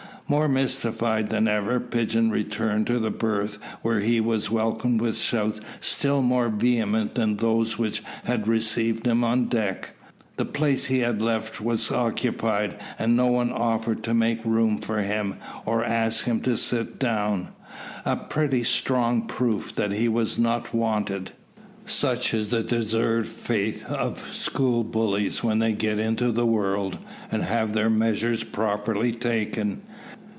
More mystified than ever, Pigeon returned to the berth, when he was welcomed with shouts still more vehement than those which had received him on deck. The place he had left was occupied, and no one offered to make room for him, or asked him to sit down a pretty strong proof that he was not wanted. Such is the deserved fate of school bullies when they get into the world, and have their measures properly taken.